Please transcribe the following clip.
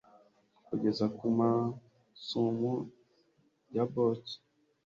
kugeza ku masumo ya yaboki